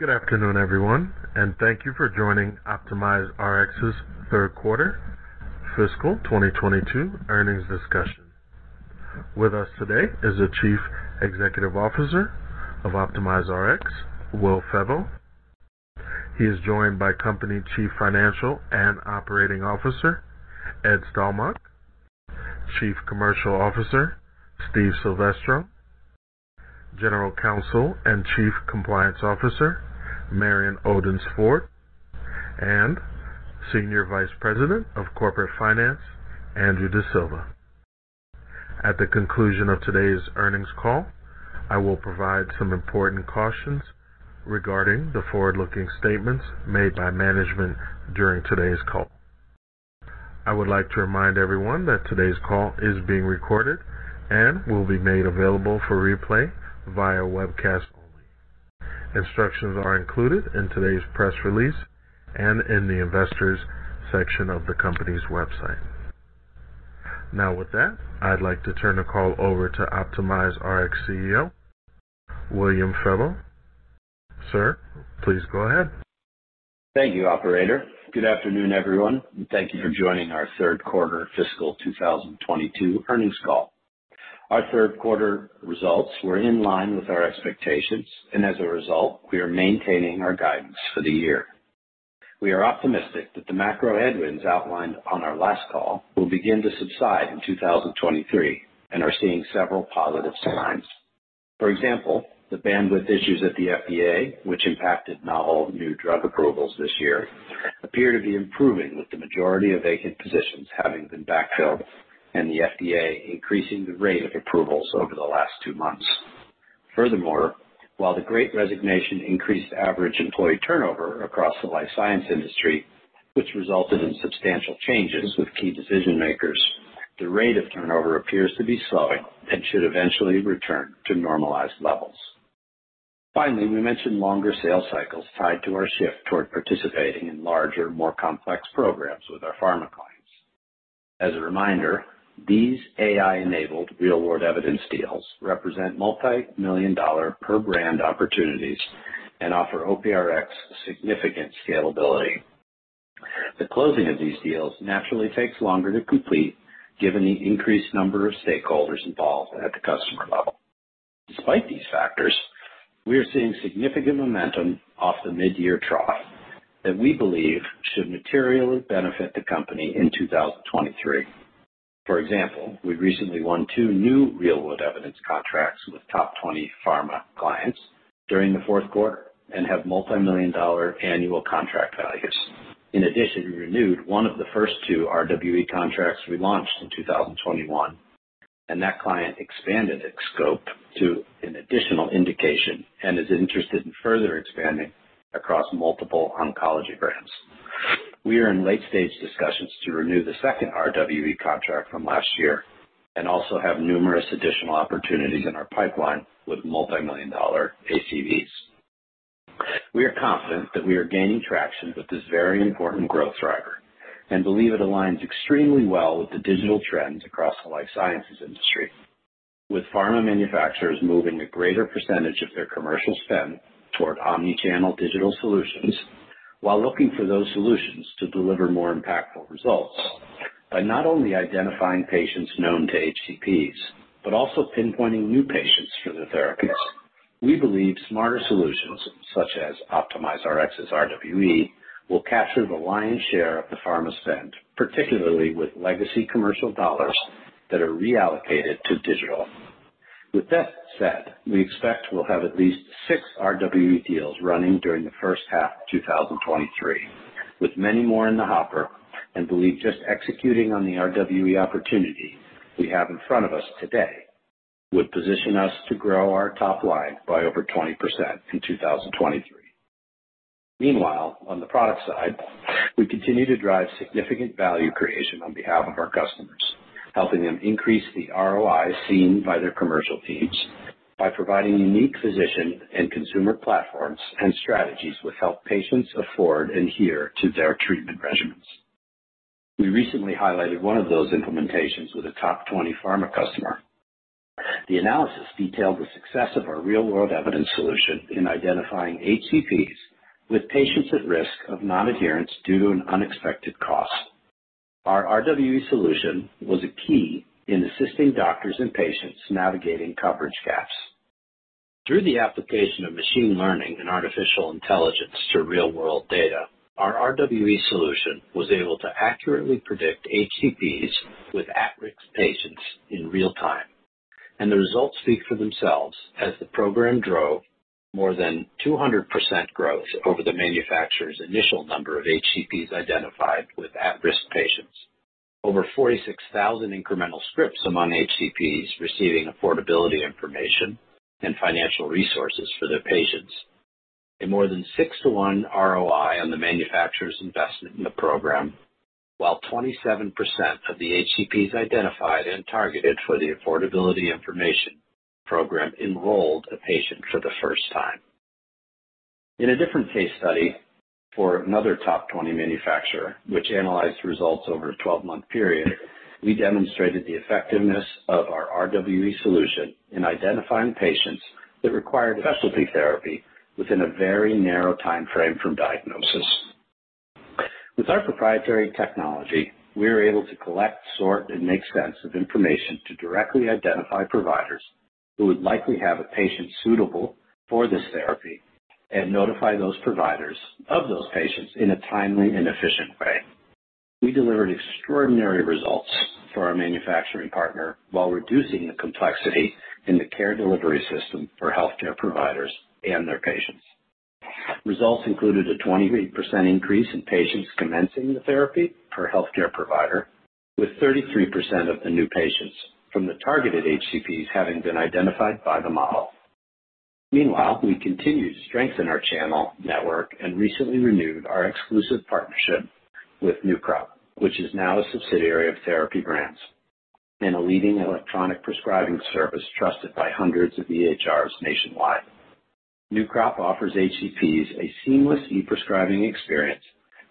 Good afternoon, everyone, and thank you for joining OptimizeRx's third quarter fiscal 2022 earnings discussion. With us today is the Chief Executive Officer of OptimizeRx, Will Febbo. He is joined by Company Chief Financial and Operating Officer, Ed Stelmakh, Chief Commercial Officer, Steve Silvestro, General Counsel and Chief Compliance Officer, Marion Odence-Ford, and Senior Vice President of Corporate Finance, Andrew D'Silva. At the conclusion of today's earnings call, I will provide some important cautions regarding the forward-looking statements made by management during today's call. I would like to remind everyone that today's call is being recorded and will be made available for replay via webcast only. Instructions are included in today's press release and in the investors section of the company's website. Now, with that, I'd like to turn the call over to OptimizeRx CEO, Will Febbo. Sir, please go ahead. Thank you, operator. Good afternoon, everyone, and thank you for joining our third quarter fiscal 2022 earnings call. Our third quarter results were in line with our expectations and as a result, we are maintaining our guidance for the year. We are optimistic that the macro headwinds outlined on our last call will begin to subside in 2023 and are seeing several positive signs. For example, the bandwidth issues at the FDA, which impacted novel new drug approvals this year, appear to be improving, with the majority of vacant positions having been backfilled and the FDA increasing the rate of approvals over the last two months. Furthermore, while the Great Resignation increased average employee turnover across the life science industry, which resulted in substantial changes with key decision makers, the rate of turnover appears to be slowing and should eventually return to normalized levels. Finally, we mentioned longer sales cycles tied to our shift toward participating in larger, more complex programs with our pharma clients. As a reminder, these AI-enabled real-world evidence deals represent $multi-million-dollar per brand opportunities and offer OPRX significant scalability. The closing of these deals naturally takes longer to complete, given the increased number of stakeholders involved at the customer level. Despite these factors, we are seeing significant momentum off the mid-year trough that we believe should materially benefit the company in 2023. For example, we've recently won two new real-world evidence contracts with top 20 pharma clients during the fourth quarter and have $multi-million annual contract values. In addition, we renewed one of the first two RWE contracts we launched in 2021, and that client expanded its scope to an additional indication and is interested in further expanding across multiple oncology brands. We are in late-stage discussions to renew the second RWE contract from last year and also have numerous additional opportunities in our pipeline with multi-million-dollar ACVs. We are confident that we are gaining traction with this very important growth driver and believe it aligns extremely well with the digital trends across the life sciences industry. With pharma manufacturers moving a greater percentage of their commercial spend toward omnichannel digital solutions while looking for those solutions to deliver more impactful results. By not only identifying patients known to HCPs, but also pinpointing new patients for their therapies, we believe smarter solutions such as OptimizeRx's RWE will capture the lion's share of the pharma spend, particularly with legacy commercial dollars that are reallocated to digital. With that said, we expect we'll have at least six RWE deals running during the first half 2023, with many more in the hopper, and believe just executing on the RWE opportunity we have in front of us today would position us to grow our top line by over 20% in 2023. Meanwhile, on the product side, we continue to drive significant value creation on behalf of our customers, helping them increase the ROI seen by their commercial teams by providing unique physician and consumer platforms and strategies which help patients afford, adhere to their treatment regimens. We recently highlighted one of those implementations with a top 20 pharma customer. The analysis detailed the success of our real-world evidence solution in identifying HCPs with patients at risk of non-adherence due to an unexpected cost. Our RWE solution was a key in assisting doctors and patients navigating coverage gaps. Through the application of machine learning and artificial intelligence to real-world data, our RWE solution was able to accurately predict HCPs with at-risk patients in real time, and the results speak for themselves. As the program drove more than 200% growth over the manufacturer's initial number of HCPs identified with at-risk patients. Over 46,000 incremental scripts among HCPs receiving affordability information and financial resources for their patients, a more than 6-to-1 ROI on the manufacturer's investment in the program, while 27% of the HCPs identified and targeted for the affordability information program enrolled a patient for the first time. In a different case study. For another top 20 manufacturer which analyzed results over a 12-month period, we demonstrated the effectiveness of our RWE solution in identifying patients that required specialty therapy within a very narrow timeframe from diagnosis. With our proprietary technology, we are able to collect, sort, and make sense of information to directly identify providers who would likely have a patient suitable for this therapy and notify those providers of those patients in a timely and efficient way. We delivered extraordinary results for our manufacturing partner while reducing the complexity in the care delivery system for healthcare providers and their patients. Results included a 28% increase in patients commencing the therapy per healthcare provider, with 33% of the new patients from the targeted HCPs having been identified by the model. Meanwhile, we continue to strengthen our channel network and recently renewed our exclusive partnership with NewCrop, which is now a subsidiary of Therapy Brands and a leading electronic prescribing service trusted by hundreds of EHRs nationwide. NewCrop offers HCPs a seamless e-prescribing experience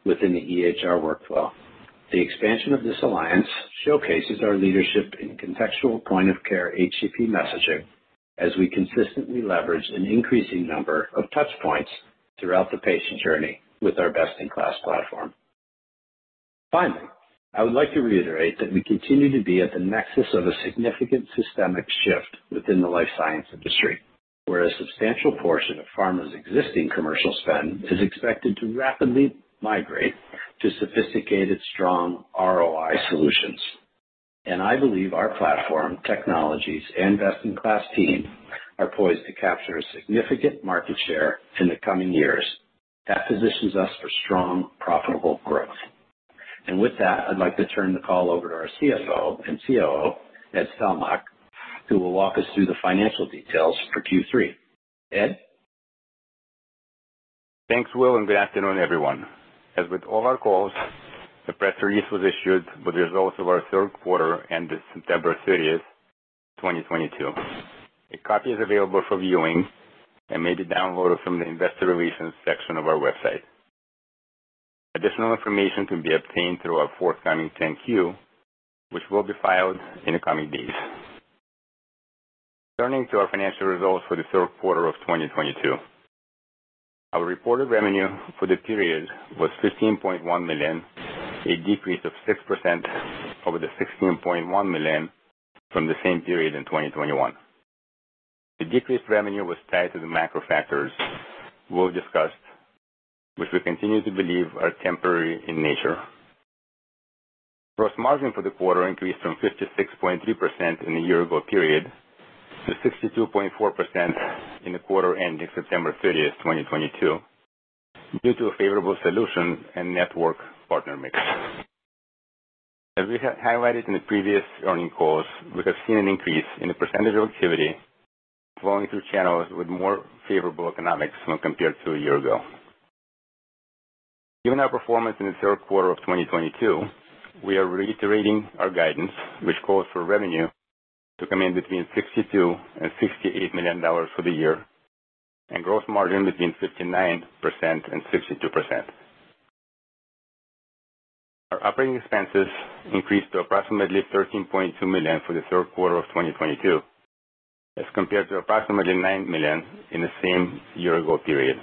within the EHR workflow. The expansion of this alliance showcases our leadership in contextual point of care HCP messaging as we consistently leverage an increasing number of touch points throughout the patient journey with our best-in-class platform. Finally, I would like to reiterate that we continue to be at the nexus of a significant systemic shift within the life science industry, where a substantial portion of pharma's existing commercial spend is expected to rapidly migrate to sophisticated, strong ROI solutions. I believe our platform, technologies and best-in-class team are poised to capture a significant market share in the coming years that positions us for strong, profitable growth. With that, I'd like to turn the call over to our CFO and COO, Ed Stelmakh, who will walk us through the financial details for Q3. Ed? Thanks, Will, and good afternoon, everyone. As with all our calls, the press release was issued with results of our third quarter ending September 30, 2022. A copy is available for viewing and may be downloaded from the Investor Relations section of our website. Additional information can be obtained through our forthcoming 10-Q, which will be filed in the coming days. Turning to our financial results for the third quarter of 2022. Our reported revenue for the period was $15.1 million, a decrease of 6% over the $16.1 million from the same period in 2021. The decreased revenue was tied to the macro factors Will discussed, which we continue to believe are temporary in nature. Gross margin for the quarter increased from 56.3% in the year-ago period to 62.4% in the quarter ending September 30, 2022, due to a favorable solution and network partner mix. We have highlighted in the previous earnings calls, we have seen an increase in the percentage of activity flowing through channels with more favorable economics when compared to a year ago. Given our performance in the third quarter of 2022, we are reiterating our guidance, which calls for revenue to come in between $62 million and $68 million for the year and gross margin between 59% and 62%. Our operating expenses increased to approximately $13.2 million for the third quarter of 2022, as compared to approximately $9 million in the same year-ago period.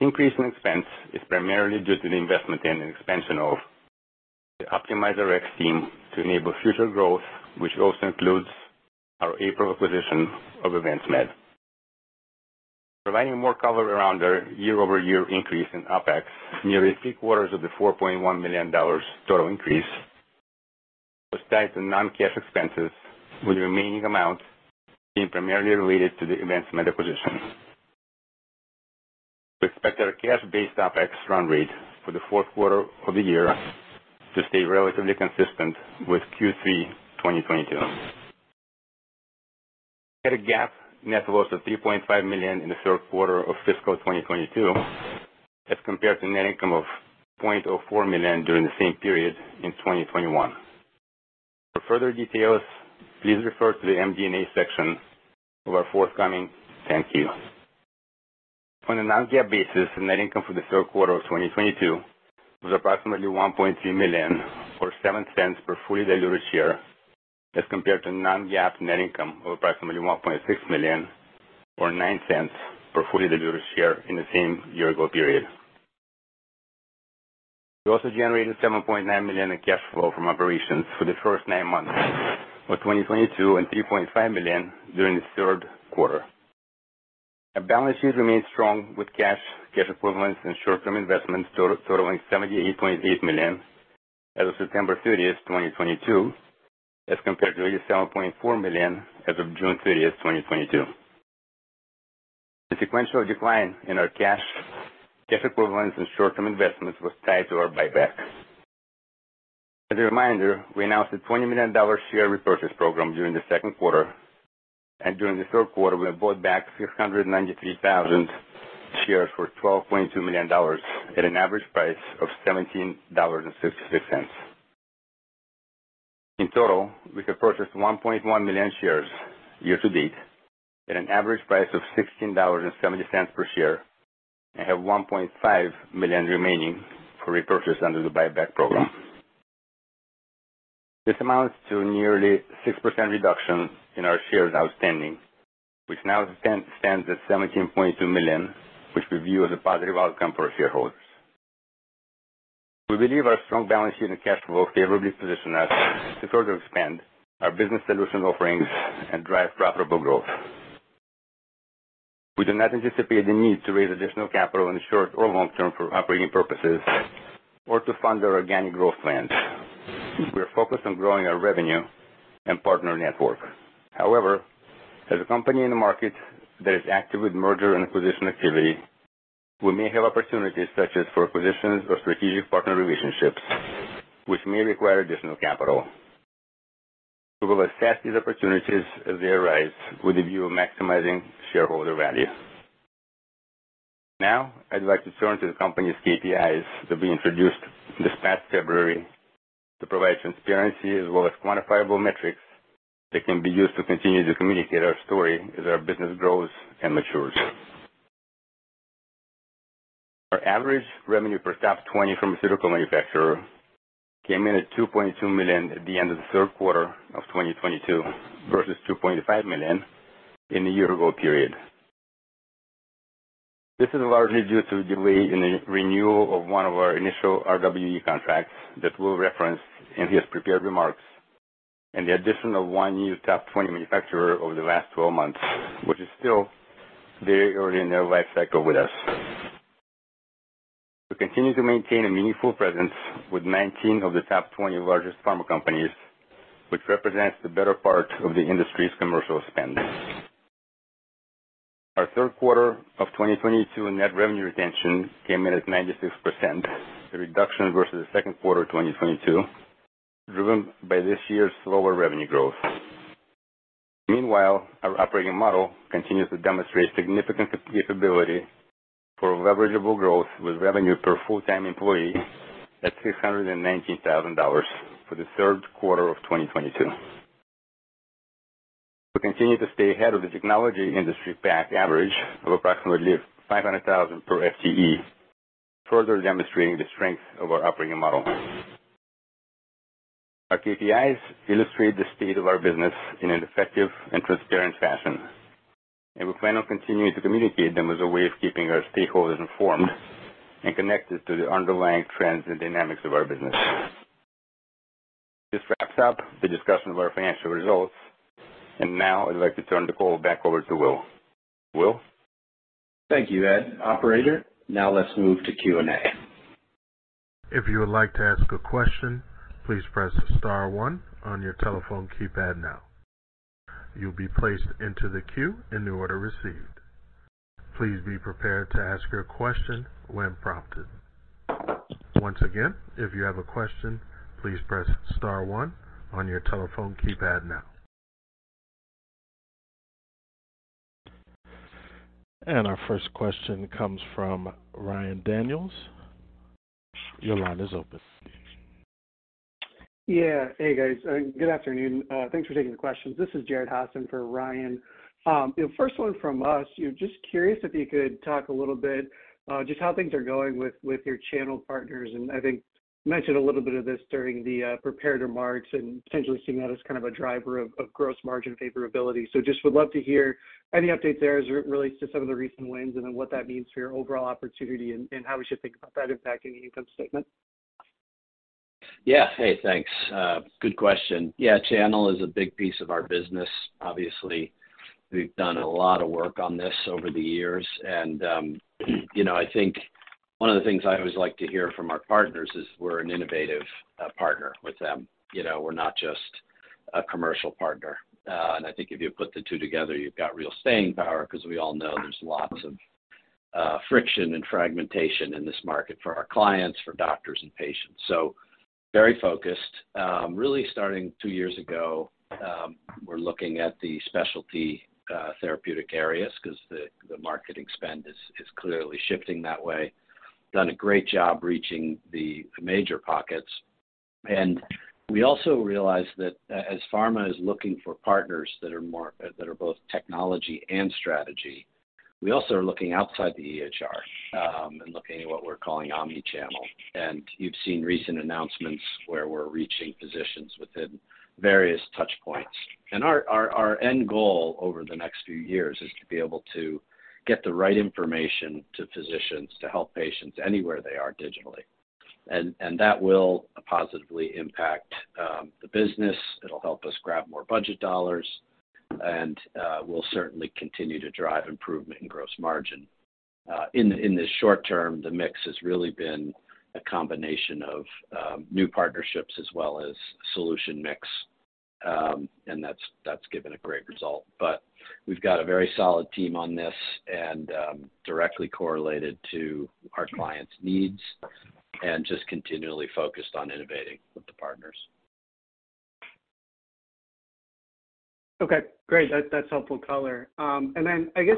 Increase in expense is primarily due to the investment and expansion of the OptimizeRx team to enable future growth, which also includes our April acquisition of EvinceMed. Providing more color around our year-over-year increase in OpEx, nearly three-quarters of the $4.1 million total increase was tied to non-cash expenses, with the remaining amount being primarily related to the EvinceMed acquisition. We expect our cash-based OpEx run rate for the fourth quarter of the year to stay relatively consistent with Q3 2022. We had a GAAP net loss of $3.5 million in the third quarter of fiscal 2022, as compared to net income of $0.04 million during the same period in 2021. For further details, please refer to the MD&A section of our forthcoming 10-Q. On a non-GAAP basis, net income for the third quarter of 2022 was approximately $1.3 million or $0.07 per fully diluted share as compared to non-GAAP net income of approximately $1.6 million or $0.09 per fully diluted share in the same year-ago period. We also generated $7.9 million in cash flow from operations for the first 9 months of 2022 and $3.5 million during the third quarter. Our balance sheet remains strong with cash equivalents and short-term investments totaling $78.8 million as of September 30, 2022, as compared to $87.4 million as of June 30, 2022. The sequential decline in our cash equivalents and short-term investments was tied to our buyback. As a reminder, we announced a $20 million share repurchase program during the second quarter, and during the third quarter, we have bought back 693,000 shares for $12.2 million at an average price of $17.66. In total, we have purchased 1.1 million shares year to date at an average price of $16.70 per share and have 1.5 million remaining for repurchase under the buyback program. This amounts to nearly 6% reduction in our shares outstanding, which now stands at 17.2 million, which we view as a positive outcome for shareholders. We believe our strong balance sheet and cash flow favorably position us to further expand our business solution offerings and drive profitable growth. We do not anticipate the need to raise additional capital in the short or long term for operating purposes or to fund our organic growth plans. We are focused on growing our revenue and partner network. However, as a company in a market that is active with merger and acquisition activity, we may have opportunities such as for acquisitions or strategic partner relationships which may require additional capital. We will assess these opportunities as they arise with a view of maximizing shareholder value. Now I'd like to turn to the company's KPIs that we introduced this past February to provide transparency as well as quantifiable metrics that can be used to continue to communicate our story as our business grows and matures. Our average revenue per top 20 pharmaceutical manufacturer came in at $2.2 million at the end of the third quarter of 2022 versus $2.5 million in the year ago period. This is largely due to a delay in the renewal of one of our initial RWE contracts that we'll reference in his prepared remarks and the addition of one new top 20 manufacturer over the last 12 months, which is still very early in their lifecycle with us. We continue to maintain a meaningful presence with 19 of the top 20 largest pharma companies, which represents the better part of the industry's commercial spend. Our third quarter of 2022 net revenue retention came in at 96%, a reduction versus the second quarter 2022, driven by this year's slower revenue growth. Meanwhile, our operating model continues to demonstrate significant capability for leverageable growth with revenue per full-time employee at $619,000 for the third quarter of 2022. We continue to stay ahead of the technology industry pack average of approximately $500,000 per FTE, further demonstrating the strength of our operating model. Our KPIs illustrate the state of our business in an effective and transparent fashion, and we plan on continuing to communicate them as a way of keeping our stakeholders informed and connected to the underlying trends and dynamics of our business. This wraps up the discussion of our financial results, and now I'd like to turn the call back over to Will. Will. Thank you, Ed. Operator, now let's move to Q and A. If you would like to ask a question, please press star one on your telephone keypad now. You'll be placed into the queue in the order received. Please be prepared to ask your question when prompted. Once again, if you have a question, please press star one on your telephone keypad now. Our first question comes from Ryan Daniels. Your line is open. Yeah. Hey, guys. Good afternoon. Thanks for taking the questions. This is Jared Haase for Ryan. First one from us. Just curious if you could talk a little bit, just how things are going with your channel partners. I think you mentioned a little bit of this during the prepared remarks and potentially seeing that as kind of a driver of gross margin favorability. Just would love to hear any updates there as it relates to some of the recent wins and then what that means for your overall opportunity and how we should think about that impacting the income statement. Yeah. Hey, thanks. Good question. Yeah, channel is a big piece of our business. Obviously, we've done a lot of work on this over the years. You know, I think one of the things I always like to hear from our partners is we're an innovative partner with them. You know, we're not just a commercial partner. I think if you put the two together, you've got real staying power, because we all know there's lots of friction and fragmentation in this market for our clients, for doctors and patients. Very focused. Really starting two years ago, we're looking at the specialty therapeutic areas because the market spend is clearly shifting that way. Done a great job reaching the major pockets. We also realize that as pharma is looking for partners that are both technology and strategy, we also are looking outside the EHR and looking at what we're calling omnichannel. You've seen recent announcements where we're reaching physicians within various touch points. Our end goal over the next few years is to be able to get the right information to physicians to help patients anywhere they are digitally. That will positively impact the business. It'll help us grab more budget dollars, and we'll certainly continue to drive improvement in gross margin. In the short term, the mix has really been a combination of new partnerships as well as solution mix. That's given a great result. We've got a very solid team on this and directly correlated to our clients' needs and just continually focused on innovating with the partners. Okay, great. That's helpful color. I guess,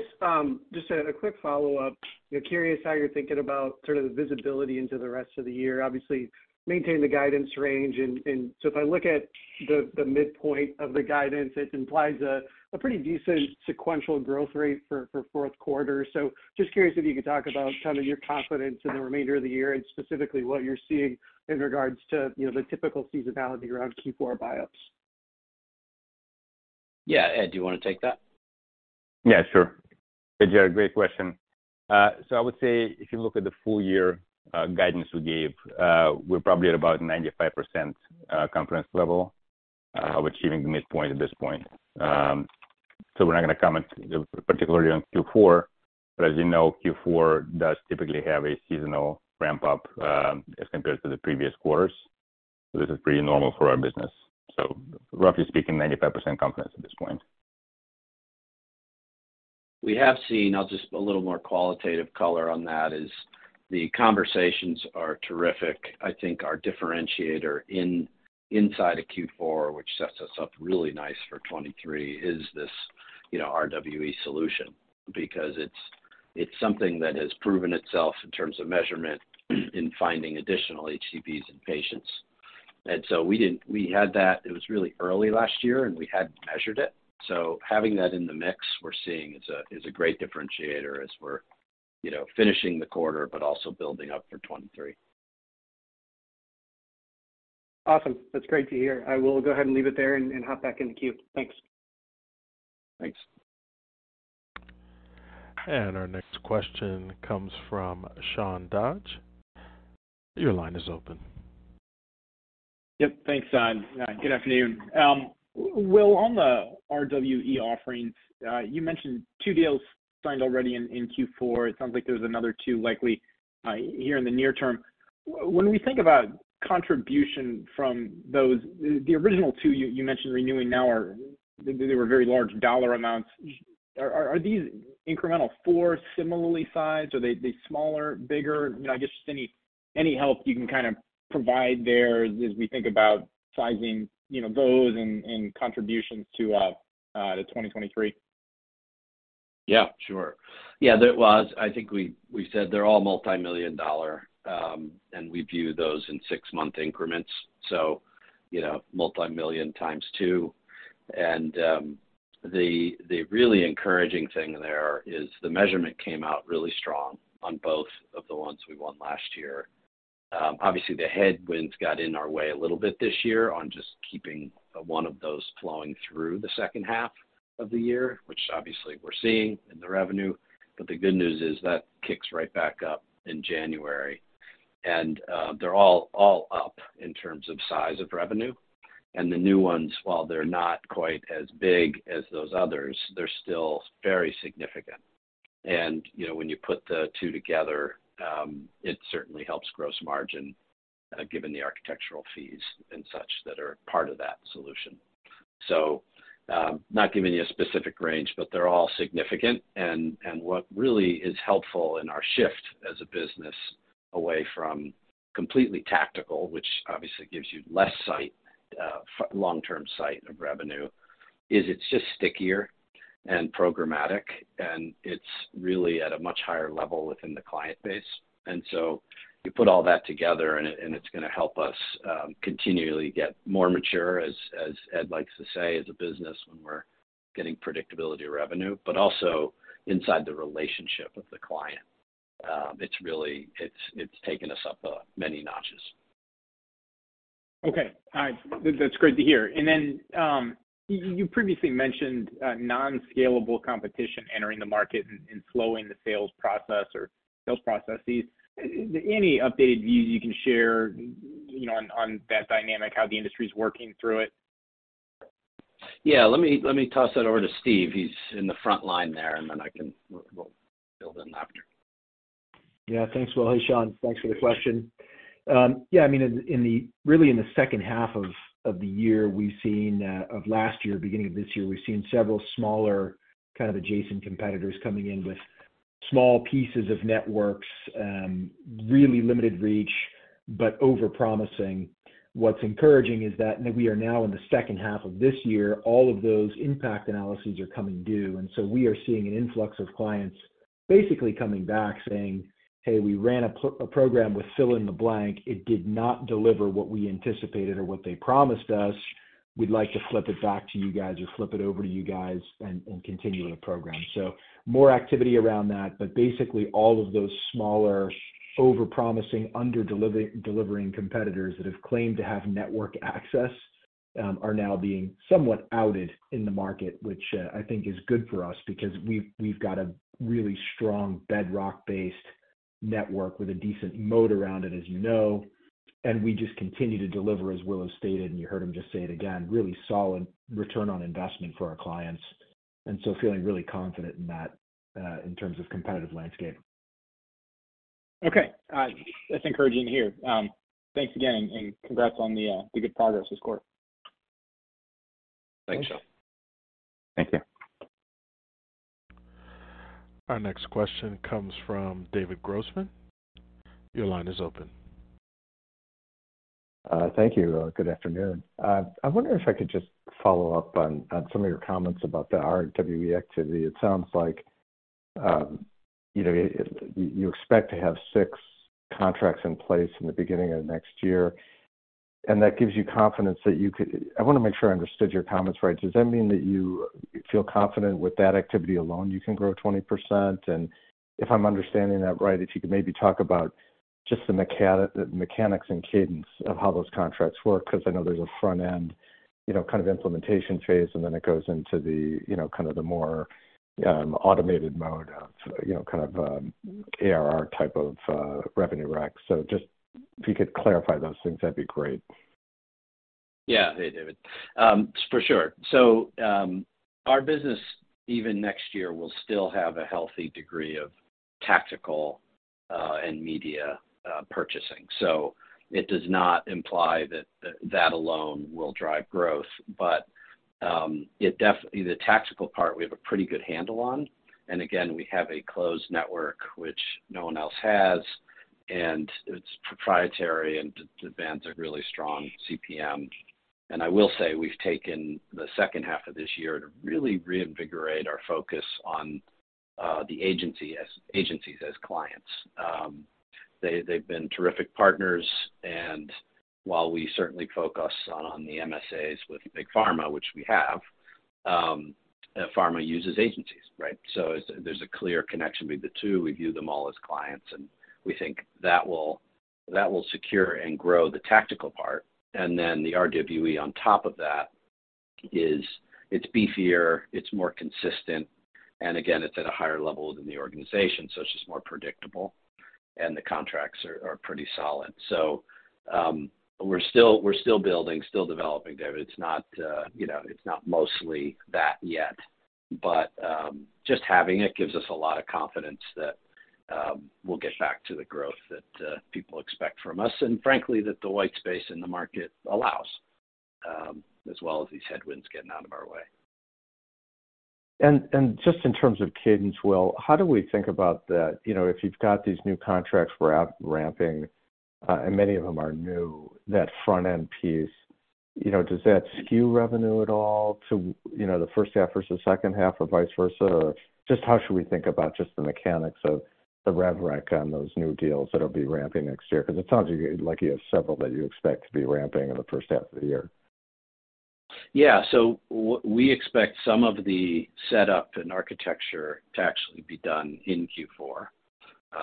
just a quick follow-up. You know, curious how you're thinking about sort of the visibility into the rest of the year. Obviously, maintain the guidance range and so if I look at the midpoint of the guidance, it implies a pretty decent sequential growth rate for fourth quarter. Just curious if you could talk about kind of your confidence in the remainder of the year, and specifically what you're seeing in regards to, you know, the typical seasonality around Q4 buyups. Yeah. Ed, do you wanna take that? Yeah, sure. Hey, Jared, great question. I would say if you look at the full year, guidance we gave, we're probably at about 95% confidence level of achieving the midpoint at this point. We're not gonna comment particularly on Q4, but as you know, Q4 does typically have a seasonal ramp up, as compared to the previous quarters. This is pretty normal for our business. Roughly speaking, 95% confidence at this point. We have seen a little more qualitative color on that. The conversations are terrific. I think our differentiator inside of Q4, which sets us up really nice for 2023, is this, you know, RWE solution because it's something that has proven itself in terms of measurement in finding additional HCPs and patients. We had that. It was really early last year, and we hadn't measured it. Having that in the mix we're seeing is a great differentiator as we're, you know, finishing the quarter, but also building up for 2023. Awesome. That's great to hear. I will go ahead and leave it there and hop back in the queue. Thanks. Thanks. Our next question comes from Sean Dodge. Your line is open. Yep. Thanks, Sean. Good afternoon. Will, on the RWE offerings, you mentioned 2 deals signed already in Q4. It sounds like there's another 2 likely here in the near term. When we think about contribution from those, the original 2 you mentioned renewing now are, they were very large dollar amounts. Are these incremental 4 similarly sized? Are they smaller, bigger? You know, I guess just any help you can kind of provide there as we think about sizing, you know, those and contributions to 2023. Yeah, sure. Yeah, there was. I think we said they're all multi-million-dollar, and we view those in six-month increments, so, you know, multi-million times two. The really encouraging thing there is the measurement came out really strong on both of the ones we won last year. Obviously the headwinds got in our way a little bit this year on just keeping one of those flowing through the second half of the year, which obviously we're seeing in the revenue. The good news is that kicks right back up in January. They're all up in terms of size of revenue. The new ones, while they're not quite as big as those others, they're still very significant. You know, when you put the two together, it certainly helps gross margin, given the architectural fees and such that are part of that solution. Not giving you a specific range, but they're all significant. What really is helpful in our shift as a business away from completely tactical, which obviously gives you less sight, long-term sight of revenue, is it's just stickier and programmatic, and it's really at a much higher level within the client base. You put all that together and it's gonna help us continually get more mature, as Ed likes to say, as a business when we're getting predictability of revenue, but also inside the relationship with the client. It's really taken us up many notches. Okay. All right. That's great to hear. Then, you previously mentioned non-scalable competition entering the market and slowing the sales process or sales processes. Any updated views you can share, you know, on that dynamic, how the industry's working through it? Yeah, let me toss that over to Steve. He's in the front line there, and then we'll build in after. Yeah. Thanks, Will. Hey, Sean. Thanks for the question. Yeah, I mean, really in the second half of the year, we've seen of last year, beginning of this year, we've seen several smaller kind of adjacent competitors coming in with small pieces of networks, really limited reach, but overpromising. What's encouraging is that we are now in the second half of this year, all of those impact analyses are coming due, and so we are seeing an influx of clients basically coming back saying, "Hey, we ran a program with fill in the blank. It did not deliver what we anticipated or what they promised us. We'd like to flip it back to you guys or flip it over to you guys and continue the program." More activity around that, but basically all of those smaller, overpromising, under-delivering competitors that have claimed to have network access are now being somewhat outed in the market, which I think is good for us because we've got a really strong bedrock-based network with a decent moat around it, as you know. We just continue to deliver, as Will has stated, and you heard him just say it again, really solid return on investment for our clients. Feeling really confident in that in terms of competitive landscape. Okay. That's encouraging to hear. Thanks again and congrats on the good progress this quarter. Thanks, Sean. Thank you. Our next question comes from David Grossman. Your line is open. Thank you. Good afternoon. I wonder if I could just follow up on some of your comments about the RWE activity. It sounds like, you know, you expect to have six contracts in place in the beginning of next year, and that gives you confidence that you could. I wanna make sure I understood your comments right. Does that mean that you feel confident with that activity alone, you can grow 20%? If I'm understanding that right, if you could maybe talk about just the mechanics and cadence of how those contracts work. 'Cause I know there's a front end, you know, kind of implementation phase, and then it goes into the, you know, kind of the more, automated mode, you know, kind of, ARR type of, revenue rec. Just if you could clarify those things, that'd be great. Yeah. Hey, David. For sure. Our business even next year will still have a healthy degree of tactical and media purchasing. It does not imply that alone will drive growth. It definitely. The tactical part, we have a pretty good handle on. We have a closed network which no one else has, and it's proprietary and it demands a really strong CPM. I will say, we've taken the second half of this year to really reinvigorate our focus on agencies as clients. They've been terrific partners, and while we certainly focus on the MSAs with big pharma, which we have, pharma uses agencies, right? There's a clear connection between the two. We view them all as clients, and we think that will secure and grow the tactical part. The RWE on top of that is, it's beefier, it's more consistent. It's at a higher level than the organization, so it's just more predictable, and the contracts are pretty solid. We're still building, still developing, David. It's not you know, it's not mostly that yet, but just having it gives us a lot of confidence that we'll get back to the growth that people expect from us and frankly, that the white space in the market allows, as well as these headwinds getting out of our way. Just in terms of cadence, Will, how do we think about that? You know, if you've got these new contracts we're up ramping, and many of them are new, that front end piece, you know, does that skew revenue at all to, you know, the first half versus second half or vice versa? Or just how should we think about just the mechanics of the rev rec on those new deals that'll be ramping next year? Because it sounds like you have several that you expect to be ramping in the first half of the year. We expect some of the setup and architecture to actually be done in Q4.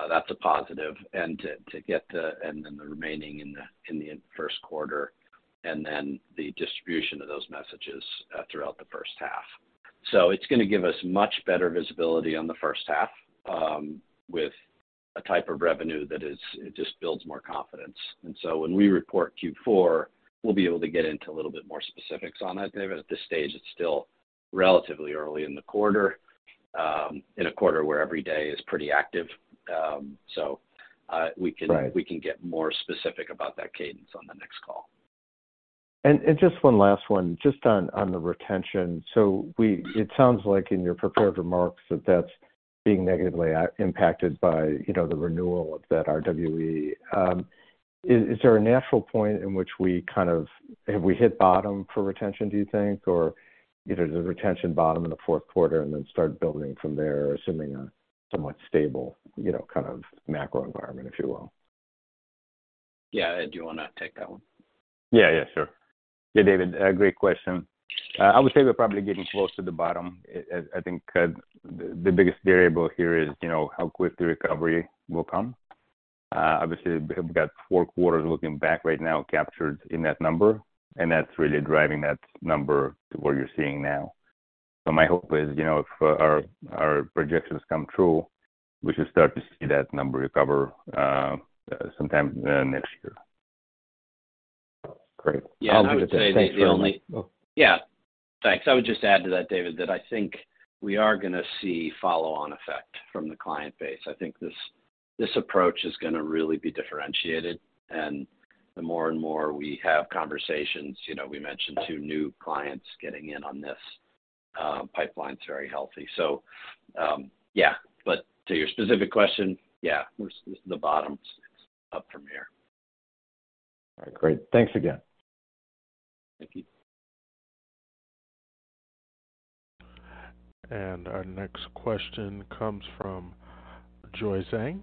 That's a positive. Then the remaining in the first quarter, and then the distribution of those messages throughout the first half. It's gonna give us much better visibility on the first half with a type of revenue that just builds more confidence. When we report Q4, we'll be able to get into a little bit more specifics on that. David, at this stage, it's still relatively early in the quarter in a quarter where every day is pretty active. We can- Right. We can get more specific about that cadence on the next call. Just one last one just on the retention. It sounds like in your prepared remarks that's being negatively impacted by, you know, the renewal of that RWE. Is there a natural point in which we kind of have we hit bottom for retention, do you think? You know, does retention bottom in the fourth quarter and then start building from there, assuming a somewhat stable, you know, kind of macro environment, if you will? Yeah. Ed, do you wanna take that one? Yeah. Yeah, sure. Yeah, David, great question. I would say we're probably getting close to the bottom. I think the biggest variable here is, you know, how quick the recovery will come. Obviously we've got four quarters looking back right now captured in that number, and that's really driving that number to what you're seeing now. My hope is, you know, if our projections come true, we should start to see that number recover, sometime next year. Great. Yeah. I would say the only Thanks very much. Yeah, thanks. I would just add to that, David, that I think we are gonna see follow-on effect from the client base. I think this approach is gonna really be differentiated. The more and more we have conversations, you know, we mentioned two new clients getting in on this. Pipeline's very healthy. Yeah. To your specific question, yeah, this is the bottom. It's up from here. All right, great. Thanks again. Thank you. Our next question comes from Joy Zhang.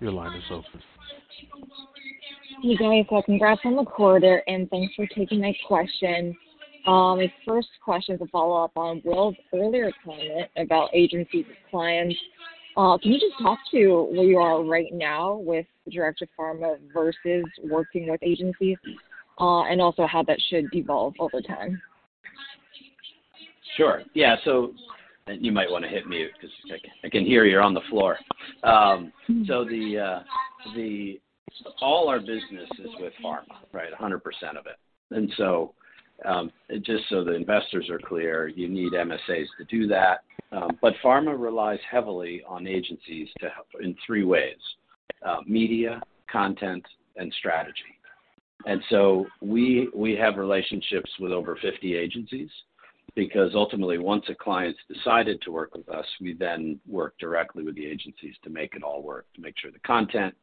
Your line is open. Hey, guys. Congrats on the quarter, and thanks for taking my question. My first question is a follow-up on Will's earlier comment about agencies as clients. Can you just talk to where you are right now with direct to pharma versus working with agencies? Also how that should evolve over time. Sure. Yeah. You might wanna hit mute because I can hear you're on the floor. All our business is with pharma, right? 100% of it. Just so the investors are clear, you need MSAs to do that. Pharma relies heavily on agencies to help in three ways, media, content, and strategy. We have relationships with over 50 agencies because ultimately, once a client's decided to work with us, we then work directly with the agencies to make it all work, to make sure the content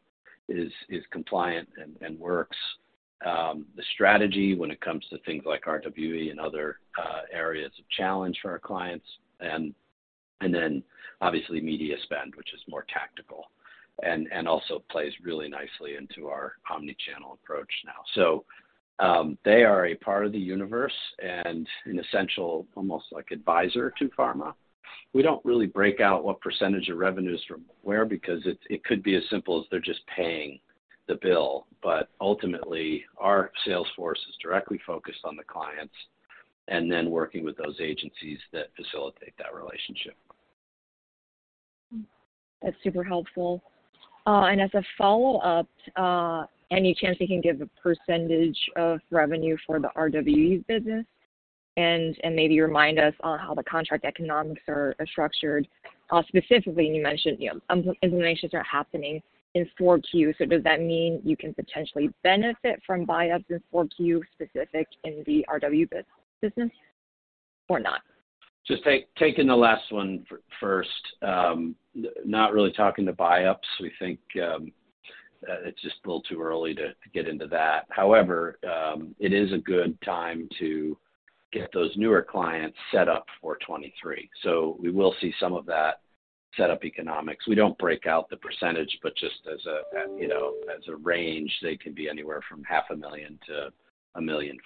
is compliant and works, the strategy when it comes to things like RWE and other areas of challenge for our clients, and then obviously media spend, which is more tactical and also plays really nicely into our omnichannel approach now. They are a part of the universe and an essential, almost like advisor to pharma. We don't really break out what percentage of revenues from where because it could be as simple as they're just paying the bill. Ultimately, our sales force is directly focused on the clients and then working with those agencies that facilitate that relationship. That's super helpful. As a follow-up, any chance you can give a percentage of revenue for the RWE business? Maybe remind us on how the contract economics are structured. Specifically, you mentioned, you know, implementations are happening in Q4. Does that mean you can potentially benefit from buy-ups in Q4 specific in the RWE business or not? Just taking the last one first. Not really talking to buyouts. We think it's just a little too early to get into that. However, it is a good time to get those newer clients set up for 2023. We will see some of that setup economics. We don't break out the percentage, but just as a, you know, as a range, they can be anywhere from $0.5 million to $1.5 million.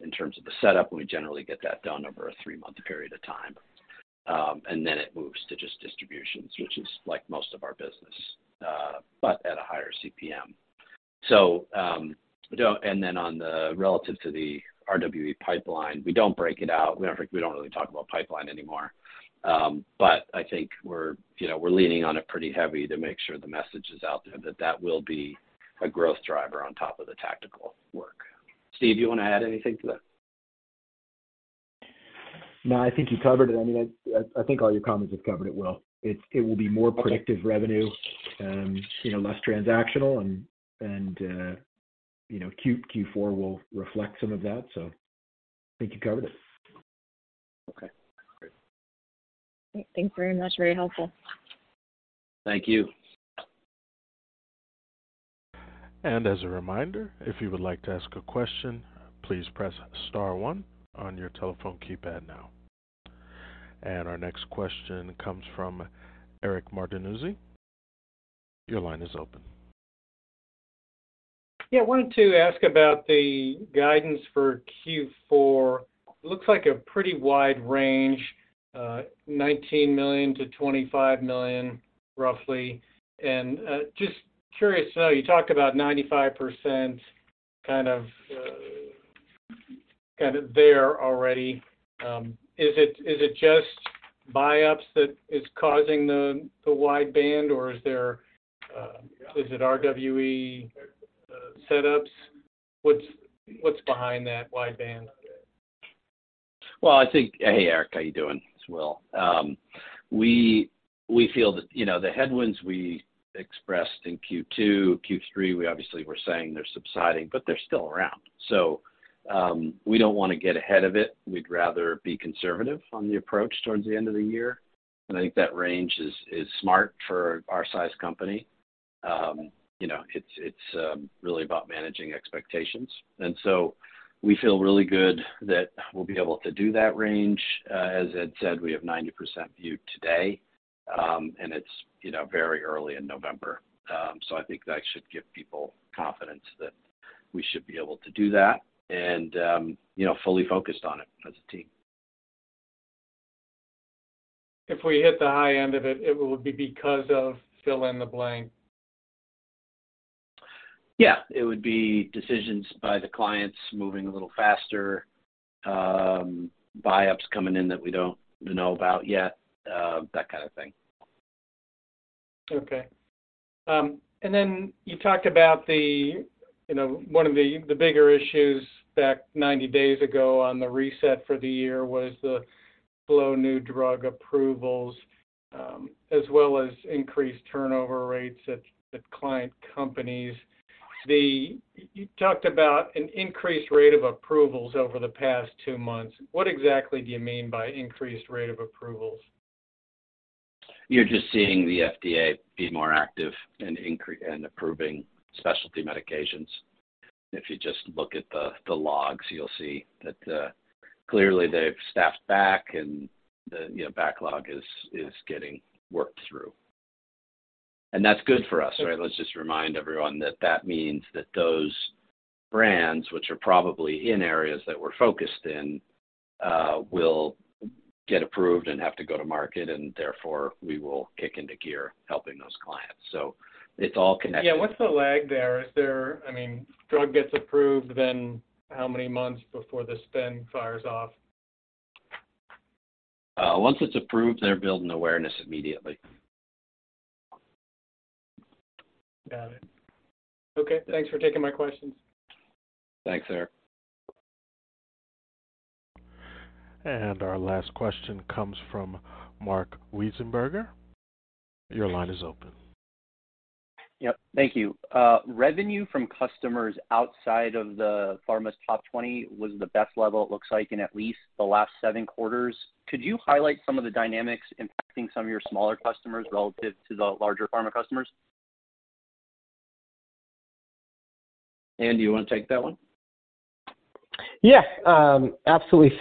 In terms of the setup, we generally get that done over a three-month period of time. And then it moves to just distributions, which is like most of our business, but at a higher CPM. Relative to the RWE pipeline, we don't break it out. We don't really talk about pipeline anymore. I think we're, you know, we're leaning on it pretty heavy to make sure the message is out there that that will be a growth driver on top of the tactical work. Steve, you want to add anything to that? No, I think you covered it. I mean, I think all your comments have covered it well. It will be more predictive revenue, you know, less transactional and, you know, Q4 will reflect some of that. I think you covered it. Okay, great. Thanks very much. Very helpful. Thank you. As a reminder, if you would like to ask a question, please press star one on your telephone keypad now. Our next question comes from Eric Martinuzzi. Your line is open. Yeah, I wanted to ask about the guidance for Q4. Looks like a pretty wide range, $19 million-$25 million, roughly. Just curious to know, you talked about 95% kind of there already. Is it just buy-ups that is causing the wide band or is there, is it RWE setups? What's behind that wide band? Hey, Eric. How you doing? It's Will. We feel that, you know, the headwinds we expressed in Q2, Q3, we obviously were saying they're subsiding, but they're still around. We don't wanna get ahead of it. We'd rather be conservative on the approach towards the end of the year. I think that range is smart for our size company. You know, it's really about managing expectations. We feel really good that we'll be able to do that range. As Ed said, we have 90% visibility today, and it's, you know, very early in November. I think that should give people confidence that we should be able to do that and, you know, fully focused on it as a team. If we hit the high end of it would be because of fill in the blank. Yeah. It would be decisions by the clients moving a little faster, buy-ups coming in that we don't know about yet, that kind of thing. Okay, you talked about one of the bigger issues back 90 days ago on the reset for the year was the slow new drug approvals, as well as increased turnover rates at client companies. You talked about an increased rate of approvals over the past two months. What exactly do you mean by increased rate of approvals? You're just seeing the FDA be more active in approving specialty medications. If you just look at the logs, you'll see that clearly they've staffed back and you know, the backlog is getting worked through. That's good for us, right? Let's just remind everyone that that means that those brands, which are probably in areas that we're focused in, will get approved and have to go to market, and therefore we will kick into gear helping those clients. It's all connected. Yeah. What's the lag there? I mean, drug gets approved, then how many months before the spend fires off? Once it's approved, they're building awareness immediately. Got it. Okay. Thanks for taking my questions. Thanks, Eric. Our last question comes from Marc Wiesenberger. Your line is open. Yeah. Thank you. Revenue from customers outside of the pharma's top 20 was the best level it looks like in at least the last 7 quarters. Could you highlight some of the dynamics impacting some of your smaller customers relative to the larger pharma customers? Do you wanna take that one? Yeah, absolutely.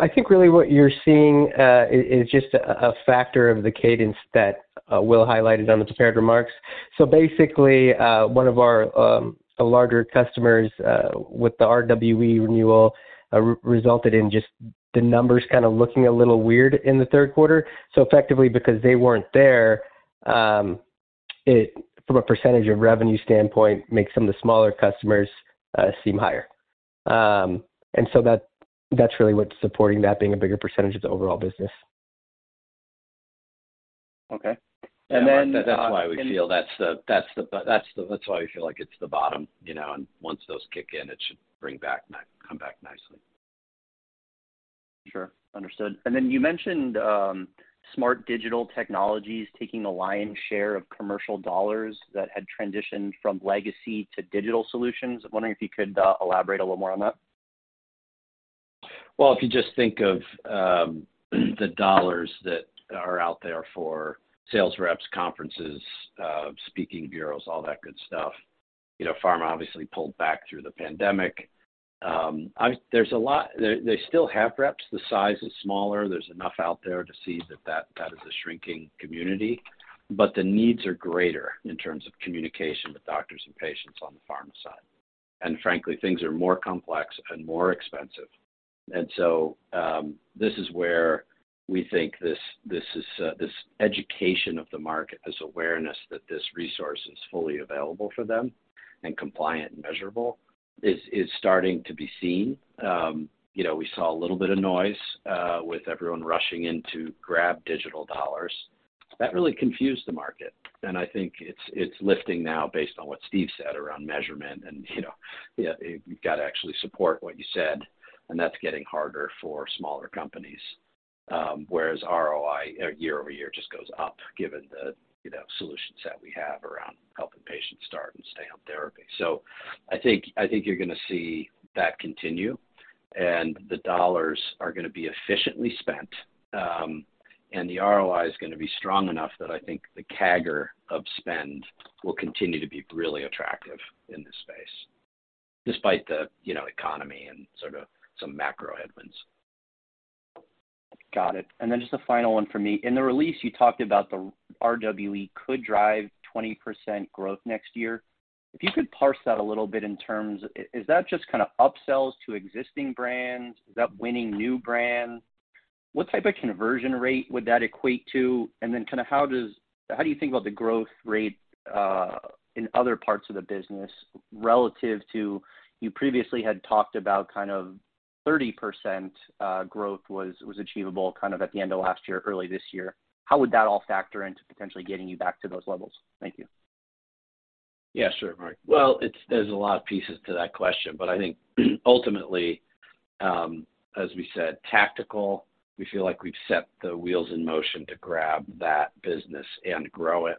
I think really what you're seeing is just a factor of the cadence that Will highlighted on the prepared remarks. Basically, one of our larger customers with the RWE renewal resulted in just the numbers kinda looking a little weird in the third quarter. Effectively, because they weren't there, it from a percentage of revenue standpoint makes some of the smaller customers seem higher. That that's really what's supporting that being a bigger percentage of the overall business. Okay. That's why we feel that's the why we feel like it's the bottom, you know, and once those kick in, it should bring back come back nicely. Sure. Understood. You mentioned smart digital technologies taking a lion's share of commercial dollars that had transitioned from legacy to digital solutions. I'm wondering if you could elaborate a little more on that. Well, if you just think of the dollars that are out there for sales reps, conferences, speaking bureaus, all that good stuff. You know, pharma obviously pulled back through the pandemic. There's a lot. They still have reps. The size is smaller. There's enough out there to see that that is a shrinking community, but the needs are greater in terms of communication with doctors and patients on the pharma side. Frankly, things are more complex and more expensive. This is where we think this education of the market, this awareness that this resource is fully available for them and compliant and measurable is starting to be seen. You know, we saw a little bit of noise with everyone rushing in to grab digital dollars. That really confused the market, and I think it's lifting now based on what Steve said around measurement. You know, you've got to actually support what you said, and that's getting harder for smaller companies. Whereas ROI year-over-year just goes up given the, you know, solutions that we have around helping patients start and stay on therapy. I think you're gonna see that continue, and the dollars are gonna be efficiently spent. The ROI is gonna be strong enough that I think the CAGR of spend will continue to be really attractive in this space despite the, you know, economy and sort of some macro headwinds. Got it. Just a final one for me. In the release, you talked about the RWE could drive 20% growth next year. If you could parse that a little bit in terms of... Is that just kinda upsells to existing brands? Is that winning new brands? What type of conversion rate would that equate to? Kinda how do you think about the growth rate in other parts of the business relative to you previously had talked about kind of 30% growth was achievable kind of at the end of last year, early this year. How would that all factor into potentially getting you back to those levels? Thank you. Yeah, sure, Marc. Well, there's a lot of pieces to that question, but I think ultimately, as we said, tactical, we feel like we've set the wheels in motion to grab that business and grow it.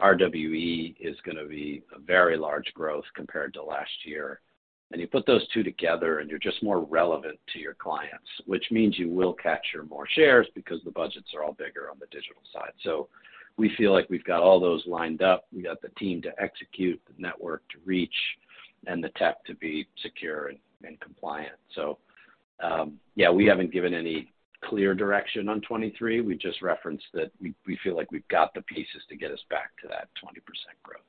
RWE is gonna be a very large growth compared to last year. You put those two together, and you're just more relevant to your clients, which means you will capture more shares because the budgets are all bigger on the digital side. We feel like we've got all those lined up. We've got the team to execute, the network to reach, and the tech to be secure and compliant. Yeah, we haven't given any clear direction on 2023. We just referenced that we feel like we've got the pieces to get us back to that 20% growth.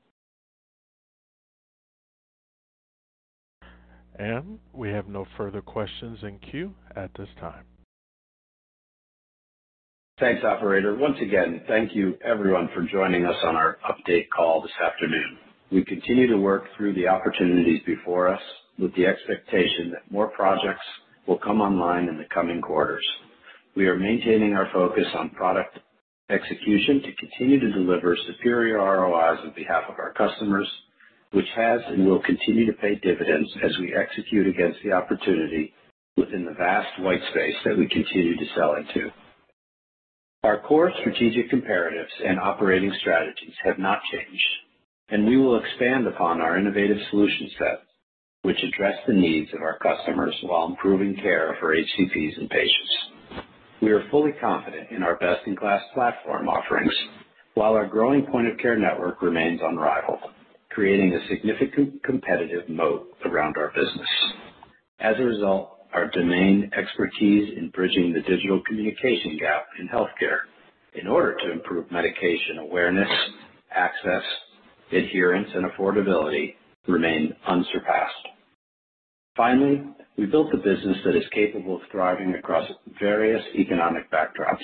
We have no further questions in queue at this time. Thanks, operator. Once again, thank you everyone for joining us on our update call this afternoon. We continue to work through the opportunities before us with the expectation that more projects will come online in the coming quarters. We are maintaining our focus on product execution to continue to deliver superior ROIs on behalf of our customers, which has and will continue to pay dividends as we execute against the opportunity within the vast white space that we continue to sell into. Our core strategic comparatives and operating strategies have not changed, and we will expand upon our innovative solution set, which address the needs of our customers while improving care for HCPs and patients. We are fully confident in our best-in-class platform offerings while our growing point of care network remains unrivaled, creating a significant competitive moat around our business. As a result, our domain expertise in bridging the digital communication gap in healthcare in order to improve medication awareness, access, adherence, and affordability remain unsurpassed. Finally, we built a business that is capable of thriving across various economic backdrops.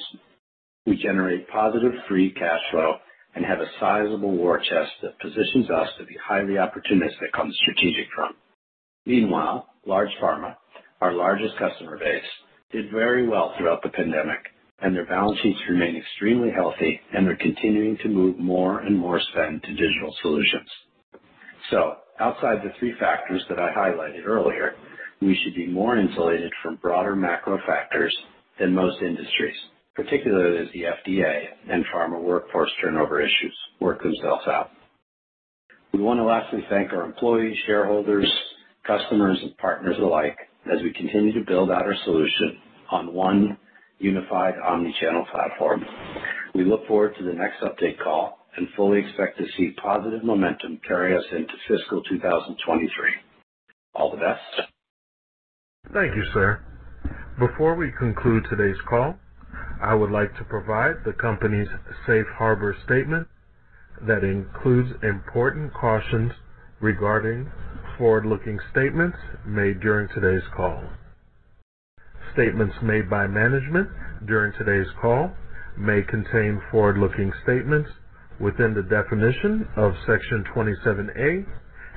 We generate positive free cash flow and have a sizable war chest that positions us to be highly opportunistic on the strategic front. Meanwhile, large pharma, our largest customer base, did very well throughout the pandemic, and their balance sheets remain extremely healthy and are continuing to move more and more spend to digital solutions. Outside the three factors that I highlighted earlier, we should be more insulated from broader macro factors than most industries, particularly as the FDA and pharma workforce turnover issues work themselves out. We want to lastly thank our employees, shareholders, customers and partners alike as we continue to build out our solution on one unified omnichannel platform. We look forward to the next update call and fully expect to see positive momentum carry us into fiscal 2023. All the best. Thank you, sir. Before we conclude today's call, I would like to provide the company's safe harbor statement that includes important cautions regarding forward-looking statements made during today's call. Statements made by management during today's call may contain forward-looking statements within the definition of Section 27A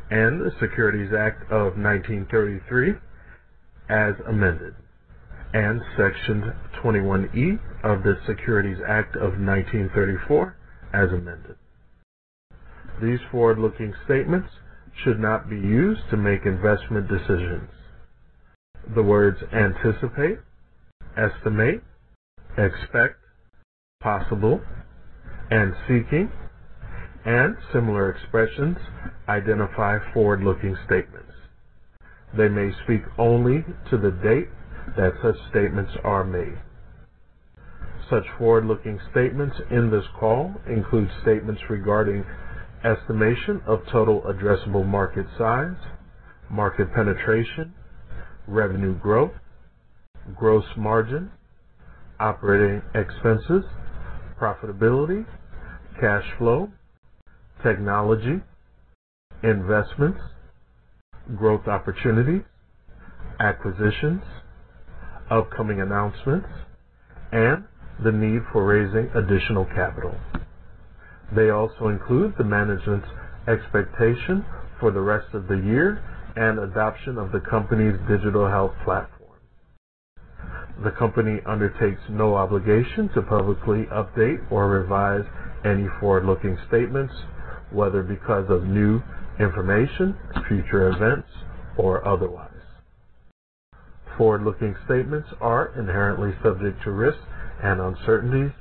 and the Securities Act of 1933, as amended, and Section 21E of the Securities Exchange Act of 1934, as amended. These forward-looking statements should not be used to make investment decisions. The words anticipate, estimate, expect, possible, and seeking and similar expressions identify forward-looking statements. They may speak only to the date that such statements are made. Such forward-looking statements in this call include statements regarding estimation of total addressable market size, market penetration, revenue growth, gross margin, operating expenses, profitability, cash flow, technology, investments, growth opportunities, acquisitions, upcoming announcements, and the need for raising additional capital. They also include management's expectation for the rest of the year and adoption of the company's digital health platform. The company undertakes no obligation to publicly update or revise any forward-looking statements, whether because of new information, future events, or otherwise. Forward-looking statements are inherently subject to risks and uncertainties,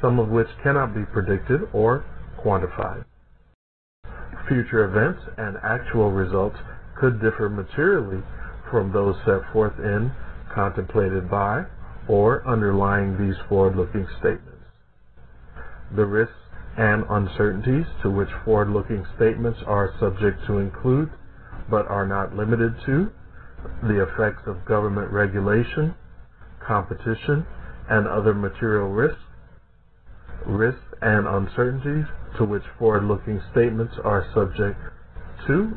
some of which cannot be predicted or quantified. Future events and actual results could differ materially from those set forth in, contemplated by, or underlying these forward-looking statements. The risks and uncertainties to which forward-looking statements are subject include, but are not limited to, the effects of government regulation, competition, and other material risks. Risks and uncertainties to which forward-looking statements are subject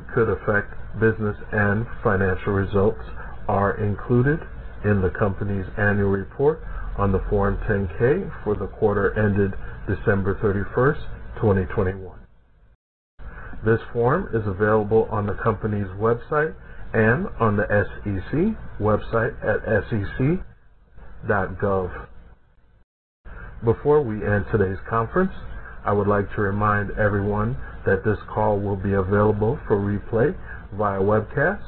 could affect business and financial results are included in the company's annual report on Form 10-K for the year ended December 31, 2021. This form is available on the company's website and on the SEC website at sec.gov. Before we end today's conference, I would like to remind everyone that this call will be available for replay via webcast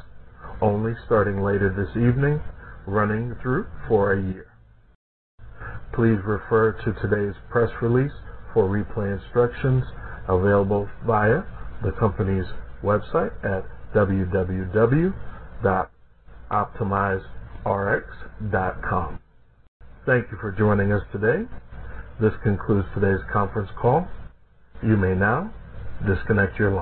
only starting later this evening, running through for a year. Please refer to today's press release for replay instructions available via the company's website at www.optimizerx.com. Thank you for joining us today. This concludes today's conference call. You may now disconnect your line.